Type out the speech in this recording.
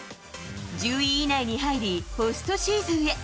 １０位以内に入り、ポストシーズンへ。